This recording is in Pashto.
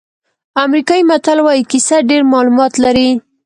امریکایي متل وایي کیسه ډېر معلومات لري.